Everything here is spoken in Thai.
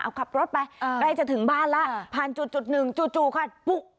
เอาขับรถไปใกล้จะถึงบ้านแล้วผ่านจุดจุดหนึ่งจู่จู่ค่ะปุ๊ก